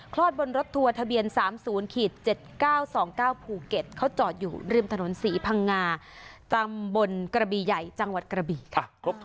อดบนรถทัวร์ทะเบียน๓๐๗๙๒๙ภูเก็ตเขาจอดอยู่ริมถนนศรีพังงาตำบลกระบีใหญ่จังหวัดกระบีค่ะ